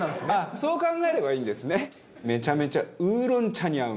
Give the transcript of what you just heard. そう考えればいいんですね。